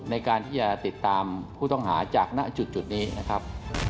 ในการที่จะติดตามผู้ต้องหาจากณจุดนี้นะครับ